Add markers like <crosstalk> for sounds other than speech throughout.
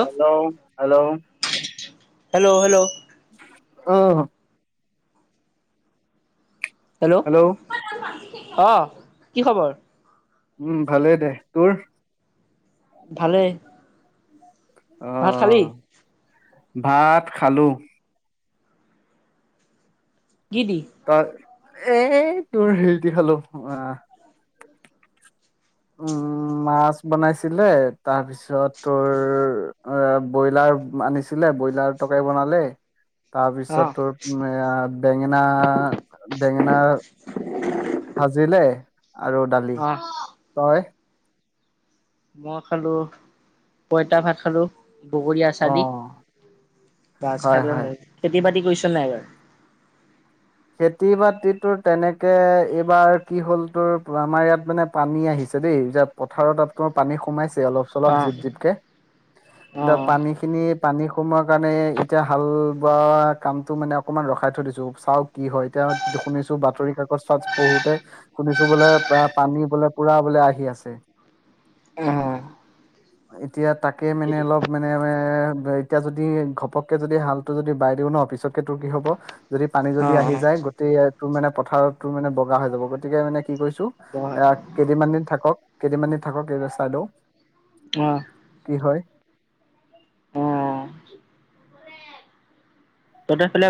Hello, hello. Hello hello হু <unintelligible> hello. অহ কি খবৰ উম ভালেই দে তোৰ ভালে ভাত খালী আহ ভাত খালোঁ কি দি তই এ তোৰ হেৰি দি খালু, অহ উম', মাছ বনাইছিলে তাৰপিছত তোৰ এ ব্ৰইলাৰ আনিছিলে। ব্ৰইলাৰ তৰকাৰী বনালে। <unintelligible> অ তাৰপিছত, তোৰ এয়া বেঙেনা বেঙেনা <inaudible> ভাজিলে আৰু দালি অ তই মই খালু, পইতা ভাত খালু। বগৰীয়া আচাৰ অ দি, গাছ হয় খাই হয় <unintelligible> খেতি-বাতি কৈৰিছা নাই এবাৰ খেতি বাতি তো তেনেকে এইবাৰ কি হ'ল তোৰ আমাৰ ইয়াত মানে পানী আহিছে দেই যে পথাৰত তোৰ পানী সোমাইছে <unintelligible> যিয় অলপ অ চলপ অ অ <unintelligible> পানী খিন পানী সোমোৱাৰ কাৰণে এতিয়া হাল বোৱা কামতটো মানে অকমান ৰখাই থৈ দিছো। চাওক কি হয় এতিয়া শুনিছো বাতৰি কাগজ তাত পঢ়োতে শুনিছো বোলে প্ৰায় পানী বোলে পুৰা বোলে আহি আছে <inaudible> অ। হয় এতিয়া তাকে মানে অলপ মানে এতিয়া যদি ঘপককে যদি হালটো যদি বাই দিওঁ ন। পিছতকে তোৰ কি হ'ব, যদি পানী অ অ যদি অ আহি যায়, গোটেই ইয়াত তোৰ মানে পথাৰত তোৰ মানে বগা হৈ যাব। গতিকে মানে কি কৈছো এ তহঁতৰ কেইদিনমান দিন থাকক কেইদিনমানি থাকক, এই ৰাস্তাটো। কি হয়। অহ <inaudible> তহঁতৰ ফালে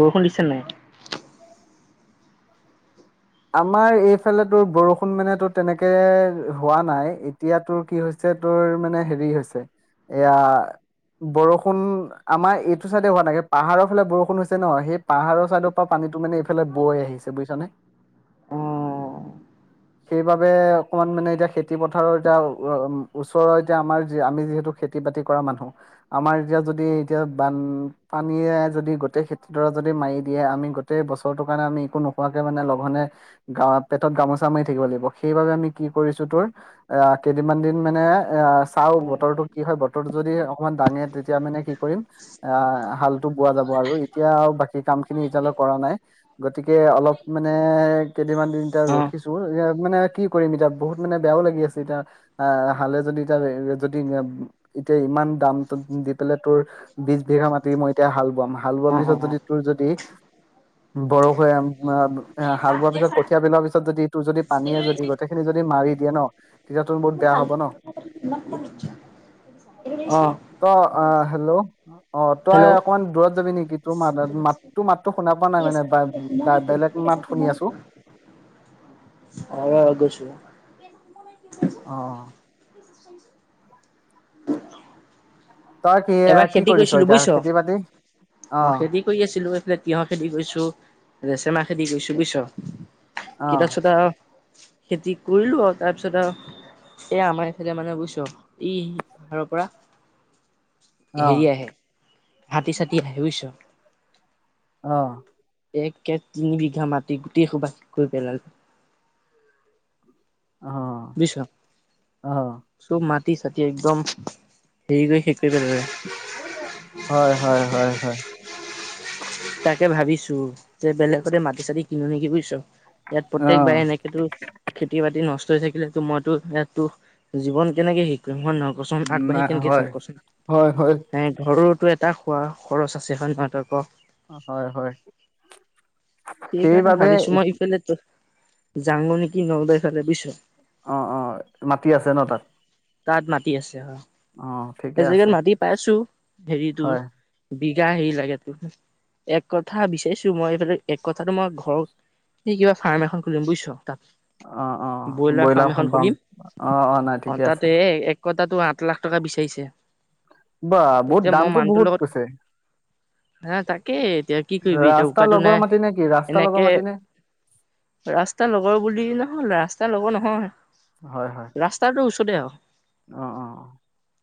বৰষুণ দিছেনে নাই। আমাৰ এইফালে তোৰ বৰষুণ মানে তোৰ তেনেকে হোৱা নাই। এতিয়া তোৰ কি হৈছে তোৰ মানে হেৰি হৈছে। এয়া বৰষুণ, আমাৰ এইটো চাইডে হোৱা নাই পাহাৰৰ ফালে বৰষুণ হৈছে ন। সেই পাহাৰৰ চাইডৰ পৰা পানীটো মানে এইফালে বৈ আহিছে। বুজিছনে। অ সেইবাবে অকমান মানে এতিয়া খেতি পথাৰৰ এতিয়া ওচৰৰ এতিয়া আমাৰ আমি যিহেতু খেতি বাতি কৰা মানুহ আমাৰ এতিয়া যদি এতিয়া বানপানীয়ে যদি গোতেই খেতিৰ যদি মাৰি দিয়ে আমি গোটেই বছৰটোৰ কাৰণে আমি একো নোখোৱাকে মানে লঘোনে গা পেটত গামোচা মাৰি থাকিব লাগিব। সেইবাবে আমি কি কৰিছোঁ তোৰ অ', কেইদিনমান দিন মানে এ চাওঁ, বতৰটো কি হয়। বতৰটো যদি অকমান দাঙে, তেতিয়া মানে কি কৰিম। অ', হালটো বোৱা যাব আৰু এতিয়া আৰু বাকী কামখিনি এতিয়ালৈ কৰা নাই, গতিকে অলপ মানে কেইদিনমান দিন এতিয়া অ ৰখিছো মানে কি কৰিম এতিয়া বহুত মানে বেয়াও লাগি আছে এতিয়া আহ হালে যদি এতিয়া যদি এতিয়া ইমান দাম দি পেলাই তোৰ বিছ বিঘা মাি মই এতিয়া হাল বোৱাম হাল বোৱাৰ অ অ পিছত যদি তোৰ যদি বৰষ হৈ হাল বোৱা তাৰ পিছত কঠীয়া পেলোৱা পিছত যদি তোৰ যদি পানীয়ে যদি গোটেইখিনি যদি মাৰি দিয়ে ন তেতিয়া তোৰ বহুত বেয়া হব ন <inaudible> অ <inaudible> ত অ', হেল্ল। অ তই হেল্ল' অকমান দূৰত যাবি নেকি তোৰ মাত মাত তো মাতো শুনা পোৱা নাই মানে বেলেগ মাত শুনি আছো আৰু আগৈছিল <inaudible> আহ তই কি এবাৰ কি খেতি কৰিছ কৰিছিলো এতিয়া বুজিছ খেতি বাতি অ অ খেতি কৰি আছিলো এইফালে তিঁয়হৰ খেতি কৰিছো ৰেচমা খেতি কৰিছো শুবি <inaudible> ছ অ কেইতাত চুতা আৰো। খেতি কৰিলো আৰু তাৰ পিছত আৰু এ আমাৰ এইফেতে মানে বুইছ ই আহাৰৰ পৰা অ হেৰি আহে হাতী চতিি আহে বুজিছ অ। একে তিনি বিঘা মাটি গোটেই খোবা বিক্ৰী কৰি পেলালোঁ। অ দিছ অ <inaudible> চি চতি একদম হেৰি কৰি শেষ কৰি পেলালে। হয় হয় হয় হয় <unintelligible> তাকে ভাবিছো যে বেলেগতে মাটি চাটি কিনো নেকি বুজিছ ইয়াত অ প্ৰত্যেকবাৰে এনেকেতো খেতি বাতি নষ্ট থাকিলো মইতো ইয়াতো জীৱন কেনেকে শিকো মই ন। কচুন আগবাঢ়ি নাই কেনেকে হয় যাম কচুন হয় হয় নাই ঘৰুতো এটা তাক খোৱা খৰচ আছে হয় নহয় তই ক হয়, হয়। সেইকাৰণে সেইবাবে ভাবিছো মই ইত- ইফালে তো জাংগেনী কি নলদৈ ফালে বুইছ অ', অ', মাটতি আছে ন তাত। তাত মাটি আছে হয় অ এ, ঠিকে আছে জেগাত মাতি পাইছো হেৰিটোৰ। হয় বিঘা হেৰি লাগে ত এক কথা বিচাৰিছো মই এইফালে। এক কথাটো মই ঘৰত কিবা ফাৰ্ম এখন খুলিম বুজিছ। তাত অ অ ফাৰ্ম ব্ৰইলাৰ, এখন ফ্ৰাম খুলিম অ অ নাই ঠিকে আছে। কতাতটো আঠ লাখ টকা বিচাৰিছে। বা বহুত এতিয়া মই দামটো মানুহটোৰ বহুত লগত কৈছে হা, তাকে এতিয়া কি কৰিবি এতিয়া ৰাস্তাৰ উপায়তটো লগৰ নাই। মাটি নে কি ৰাস্তাৰ লগৰ এনেকে মাটি নে ৰাস্তা লগৰ বুলি নহ ৰা। ৰাস্তা ল'ব নহয়। হয় হয় ৰাস্তাটোচ ত দে অ অ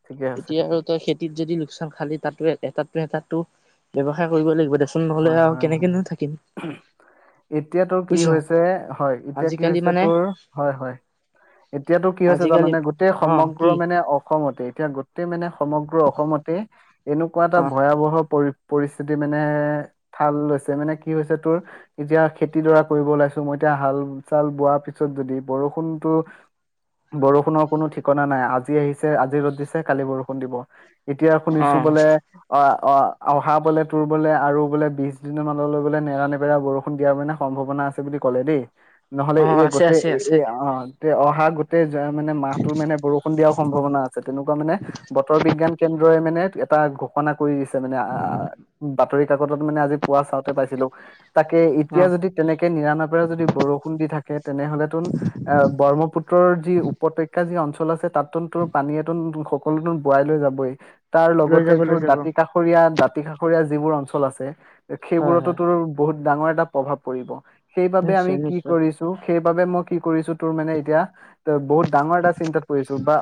ঠিকে আছে এতিয়া ঠিকে আৰু আছে তই খেতিত যদি? ন খালি তাতো এটাতো, এটাতো ব্যয়ৱসায় কৰিব লাগিব। চোন নহ'লে আৰু কেনেকেনো থাকিম। এতিয়াতোৰ কি বুজিছ হৈছে, হয়। এতিয়া কি আজিকালি হৈছে মানে তোৰ হয়, হয়, এতিয়াতো কি হৈছে আজিকালি জানানে গোটেই অ সমগ্ৰ কি মানে অসমতে এতিয়া গোটেই মানে সমগ্ৰ অসমতে এনেকুৱা এটা অ ভয়াৱহ পৰি পৰিস্থিতি মানে থঠাল লৈছে মানে কি হৈছে তোৰ এতিয়া খেতিডৰা কৰিব ওলাইছো মই এতিয়া হাল চাল বোৱাৰ পিছত যদি বৰষুনতো বৰষুণৰ কোনো ঠিকনা নাই আজি আহিছে আজি ৰ'দ দিছে কালি বৰষুণ দিব। এতিয়া অ শুনিছো বোলে অ। অ অহা বলে তোৰ বলে আৰু বোলে বিশ দিনৰ মলৈ বোলে নেৰা নেপেৰা বৰষুণ দিয়াৰ মানে সম্ভাৱনা আছে বুলি ক'লে দেই নহ'লে অ এ আছে গোটেই আছে এ আছে অ অহা গোটেই মানে মাহটোৰ মানে বৰষুণ, দিয়াৰ সম্ভাৱনা আছে তেনেকুৱা মানে বতৰ বিজ্ঞান, কেন্দ্ৰই মানে এটা ঘোষণা কৰি দিছে, আ-আ মানে বাতৰি কাকতত মানে আজি পুৱা চাওঁতে পাইছিলো। তাকে, অ এতিয়া যদি তেনেকে নেৰানেপেৰা যদি বৰষুণ দি থাকে তেনেহলেতো আ' ব্ৰহ্মপুত্ৰৰ যি উপত্যকা যি অঞ্চল অনচল আছে তাতো, তোৰ পানীয়েতো সকলো চোন বোৱাই লৈ যাবই। তাৰ লৈ লগতে যাব তোৰ লৈ যাব দাঁতি কাষৰীয়া দাত। কাষৰীয়া যিবোৰ অঞ্চল। চল আছে। হয় সেইবোৰতো হয় তোৰ বহুত ডাঙৰ এটা প্ৰভাৱ পৰিব। সেইবাবে আমি নিশ্চয় কি নিশ্চয় কৰিছো। সেইবাবে মই কি কৰিছো। তোৰ মানে এতিয়া এ বহুত ডাঙৰ এটা চিন্তাত পৰিছো বা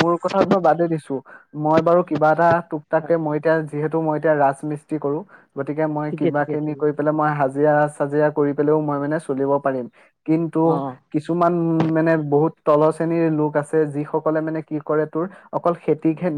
মোৰ কথাটো বাদে দিছো। মই বাৰু কিবা এটা হয় টোকটাকে মই এতিয়া যিহেতু মই এতিয়া ৰাজমিস্ত্ৰী কৰোঁ। গতিকে মই ঠিকে কিবা ঠিকে খিনি ঠিকে কৰি পেলাই মই হাজিৰা চাজিৰা কৰি পেলেও মই মানে চলিব পাৰিম। কিন্তু অ কিছুমান? উম মানে বহুত তলৰ শ্ৰেণীৰ লোক আছে যি সকলে মানে কি কৰে তোৰ অকল খেতিকহে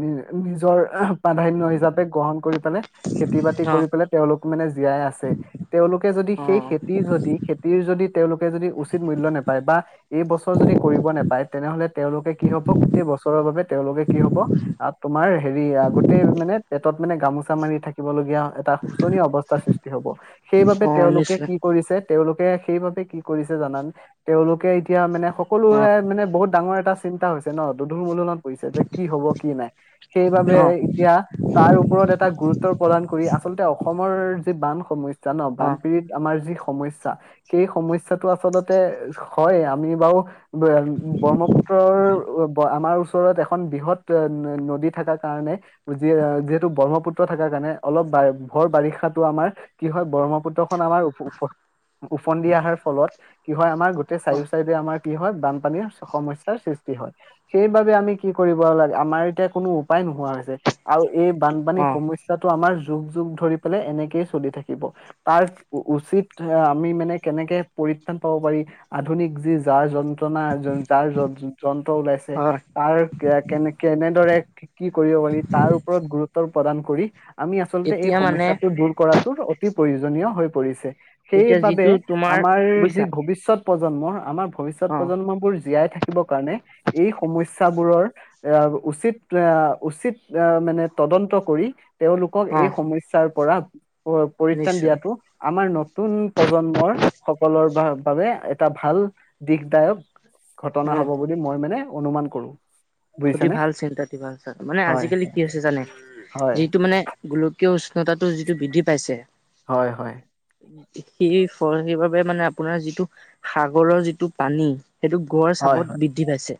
নিজৰ প্ৰাধান্য় হিচাপে গ্ৰহণ কৰি মানে খেতি-বাতি। অ কৰি পেলাই তেওঁলোক মানে জীয়াই আছে। তেওঁলোকে যদি অ সেই খেতিৰ যদি খেতিৰ যদি? তেওঁলোকে যদি উচিত মূল্য় নোপায় বা এই বছৰ যদি কৰিব নোপায় তেনেহলে তেওঁলোকে কি হব গোটেই বছৰৰ বাবে তেওঁলোকে কি হব আহ তোমাৰ হেৰি আহ গোটেই মানে পেটত মানে গামোচা মাৰি থাকিবলগীয়া এটা শোচনীয় অৱস্থাৰ সৃষ্টি হব। সেইবাবে অ তেওঁলোকে নিশ্চয় কি কৰিছে, তেওঁলোক সেইবাবে কি কৰিছে জানানে তেওঁলোকে এতিয়া মানে? অ সকলোৰে মানে বহুত ডাঙৰ এটা? চিন্তা হৈছে ন দুধোৰ মোধোৰত যে কি হব কি নাই সেইবাবে অ এতিয়া তাৰ ওপৰত এটা গুৰুত্ব প্ৰদান কৰি আছে। অসমৰ যি বান সমস্যা। জান অ বানপী়ৰিত আমাৰ যি সমস্যা সেই সমস্যাটো আচলতে হয় আমি বাৰু ব্ৰহ্মপুত্ৰৰ আমাৰ ওচৰত এখন বৃহৎ নদী থকা কাৰণে যি যিহেতু ব্ৰহ্মপুত্ৰ থকাৰ কাৰণে অলপ ভৰ বাৰিষাতো আমাৰ কি হয় ব্ৰহ্মপুত্ৰ খন আমাৰও ওফন্দি অহাৰ ফলত কি হয় আমাৰ গোটে অ চাৰিও চাইডে আমাৰ কি হয় বানপানীৰ সমস্যাৰ সৃষ্টি হয় সেইবাবে আমি কি কৰিব লাগে আমাৰ এতিয়া কোনো উপায় নোহোৱা হৈছে আৰু এই বানপানী অ সমস্যাটো আমাৰ যুখ ধৰি পেলাই এনেকেই চলি থাকিব তাৰ উচিত আমি মানে কেনেকে পৰিত্ৰাণ পাব পাৰি আধুনিক যি যাৰ যন্ত্ৰণা যাৰ ওলাইছে হয় তাৰ কেনে কেনেদৰে কি কৰিব পাৰি তাৰ ওপৰত গুৰুত্ব প্ৰদান কৰি আমি আচলতে এই এতিয়া মানে সমস্যাটো দূৰ কৰাটোৰ অতি প্ৰয়োজনীয় হৈ পৰিছে। এতিয়া সেইবাবে যিটো তোমাৰ আমাৰ বুজিছা যি ভৱিষয়ত প্ৰজন্মৰ আমাৰ ভৱিষ্যত অ প্ৰজন্মবোৰ জীয়াই ৰাখিব কাৰণে এই সমস্যাবোৰৰ উচিত উচিত মানে তদন্ত কৰি তেওঁ অ এই সমস্যাৰ পৰা পৰিত্ৰাণ নিশ্চয় দিয়াটো আমাৰ নতুন প্ৰজন্মৰ সকলৰ বাবে এটা ভাল দিশদায়ক ঘটনা অ হব বুলি মই মানে অনুমান কৰোঁ। অতি ভাল চিন্তা অতি ভাল চ মানে হয় আজিকালি কি আ হৈছে জানে হয় যিটো মানে গলো কিয় সতা যিটো বৃদ্ধি পাইছে হয় হয়। সেই সেইবাবে মানে আপোনাৰ যিটো সাগৰৰ যিটো পানী সেইটো গঁৰ হয় হয় চাপত বৃদ্ধি পাইছে।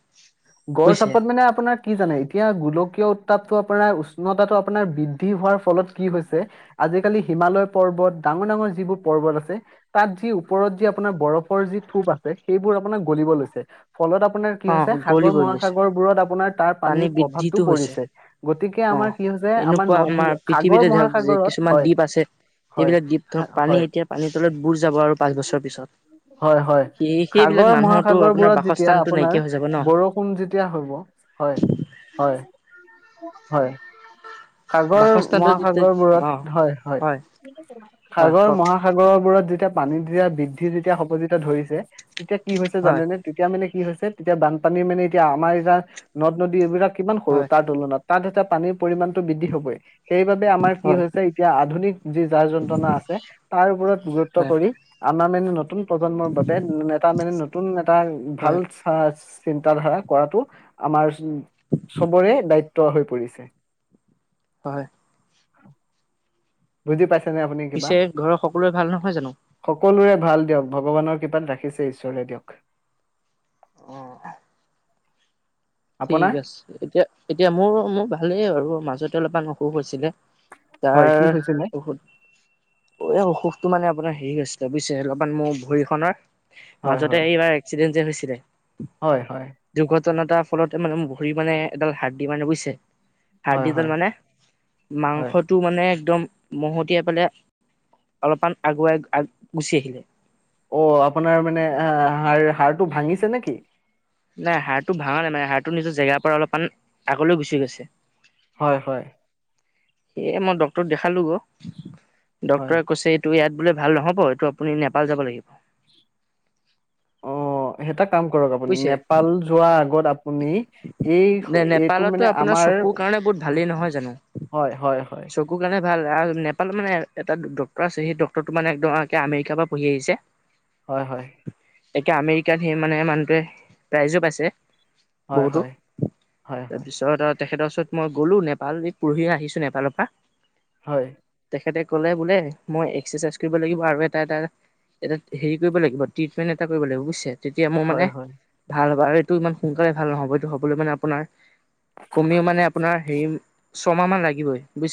গড় বুজিছে চ্পত মানে আপোনাৰ কি জানে এতিয়া গোলকীয় উত্তাপটো আপোনাৰ উষ্ণতাটো আপোনাৰ বৃদ্ধি হোৱাৰ ফলত কি হৈছে আজিকালি হিমালয় পৰ্বত ডাঙৰ ডাঙৰ যিবোৰ পৰ্বত আছে তাত যি ওপৰত যি আপোনাৰ বৰফৰ যি থোপ আছে সেইবোৰ আপোনাৰ গলিব লৈছে। ফলত আপোনাৰ কি অ হৈছে সাগৰ গলিব লৈছে মহাসাগৰবোৰত আপোনাৰ তাৰ পানী পানীৰ বৃদ্ধিটো প্ৰভাৱতটো হৈছে পৰিছে গতিকে অ আমাৰ কি হৈছে আমাৰ এনেকুৱা নদ সাগৰ পৃথিৱীতে ধৰক যে মহাসাগৰত কিছুমান হয় দ্বীপ আছে হয় এইবিলাক দ্বীপ ধৰক পানী হয় <unintelligible> বছৰ পিছত হয় হয় সেই সেইবিলাক সাগৰ মানুহতো আপোনাৰ মহাসাগৰবোৰত যেতিয়া বাসস্থানতো আপোনাৰ নাইকিয়া হৈ যাব ন বৰষুণ যেতিয়া হব হয় হয় হয়। সাগৰ বাসস্থানটো মহাসাগৰবোৰত যেতিয়া অ হয় হয়। হয় সাগৰ কওক মহাসাগৰবোৰত যেতিয়া <unintelligible> বৃদ্ধি যেতিয়া সব যেতিয়া ধৰিছে তেই কি হৈছে হয় জানেনে? তেতিয়া মানে কি হৈছে তেতিয়া বানপানী মানে এতিয়া আমাৰ এয়া নদ নদী এইবিলাক কিমান সৰু হয়, তাৰ তুলনাত তাত এটা পানীৰ পৰিমাণ বৃদ্ধি হবই। সেইবাবে আমাৰ কি হয়, হৈছে এতিয়া আধুনিক যি জাৰ যন্ত্ৰণা আছে তাৰ ওপৰত গুৰুত্ব হয়, কৰি আমাৰ মানে নতুন প্ৰজন্মৰ বাবে এটা মানে নতুন এটা ভাল হয়, চা চিন্ত ধাৰা কৰাতো আমাৰ উম চবৰে দায়িত হৈ পৰিছে। হয়। <inaudible> বুজি পাইচা? পিছে ঘৰৰ সকলোৱে ভাল নহয় জানো? সকলোৰে ভাল দিয়ক, ভগৱানৰ কৃপাত ৰাখিছে ঈশ্বৰে দিয়ক। অ'। ঠিক আপোনাৰ আছে এতিয়া এতিয়া মোৰ মোৰ ভালেই আৰু মাজতে অলপা ন সুষ হৈছিলে। হয় তাৰ কি হৈছিলে? ঔষধ এই অসুখটো মানে আপোনাৰ <unintelligible> বুইছে অলপমান মোৰ ভৰি খনৰ। হয় মাজতে হয় এইবাৰ এক্সিডেণ্ট যে হৈছিলে। হয়', হয়। <unintelligible> ফলতে মানে ভৰি মানে এডাল হাৰ দি মানে বুইছে। হয় হাৰদিদাল হয় মানে হয় মাংসটো মানে একদম মহতিয়াই পেলাই অলপমান আগুৱাই গুচি আহিলে। অ আপোনাৰ মানে আহ হাড় হাড়টো ভাঙিছে নেকি? নাই হৰটো ভঙা নাই মানে হাৰ নিজৰ জেগাৰ পৰা অলপমান আগলৈ গুচি গৈছে। হয় হয়। সেই মই ডক্তৰক দেখালো গ। হয় ডক্তৰে কৈছে এইটো ইয়াত বোলে ভাল নহ'ব এইটো আপুনি নেপাল যাব লাগিব। সঁ তাক <unintelligible> কাম কৰক আপুনি বুজিছে নেপাল যোৱাৰ আগত শুনি এই নে এইটো নেপালতো মানে আপোনাৰ আমাৰ চকুৰ কাৰণে বহুত হয় ভালেই নহয় জানো হয় হয় হয় <unintelligible> চকুৰ কাৰণে ভাল আৰু নেপালত মানে এটা ড্টৰ আছে সেই ড্টৰটো মানে একদমে আমেৰিকাৰ পৰা পঢ়ি আহিছে <unintelligible> হয় হয় এতিয়া আমেৰিকাত সেই মানে মানুহটোৱে প্ৰাইজো পাইছে হয় বহুতো হয় হয় তাৰপিছত তেখেতৰ ওচৰত মই গ'লো নেপালী পৰহি আহিছো নেপালৰ পৰা <unintelligible> হয় তেখেতে ক'লে বোলে মই এক্সাৰচাইজ কৰিব লাগিব আৰু এটা এটা এটা হেৰি কৰিব লাগিব ট্ৰিটমেণ্ট এটা কৰিব লাগিব বুজিছে <unintelligible> তেতিয়া মোৰ হয় মানে হয় ভাল হ'বা আৰু ইমান সু ভাল নহব এইটো হবলৈ মানে আপোনাৰ কমিও মানে আপোনাৰ হেৰি ছমাহ মান লাগিবই ব <unintelligible>